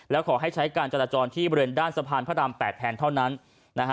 แล้วขอให้ใช้การจราจรที่บริเวณด้านสะพานพระราม๘แทนเท่านั้นนะฮะ